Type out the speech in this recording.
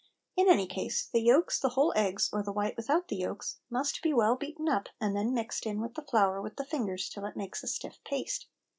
In any case, the yolks, the whole eggs, or the white without the yolks, must be well beaten up and then mixed in with the flour with the fingers till it makes a stiff paste.